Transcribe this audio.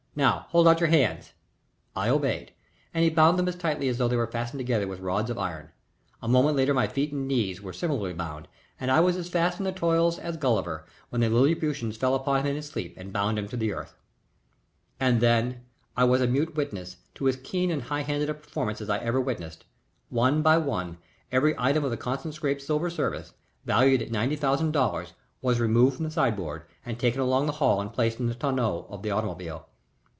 "Now hold out your hands." I obeyed, and he bound them as tightly as though they were fastened together with rods of iron. A moment later my feet and knees were similarly bound and I was as fast in the toils as Gulliver, when the Liliputians fell upon him in his sleep and bound him to the earth. [Illustration: "AS KEEN AND HIGH HANDED A PERFORMANCE AS I EVER WITNESSED"] And then I was a mute witness to as keen and high handed a performance as I ever witnessed. One by one every item of the Constant Scrappe's silver service, valued at ninety thousand dollars, was removed from the sideboard and taken along the hall and placed in the tonneau of the automobile.